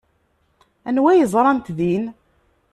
Anwa ay ẓrant din?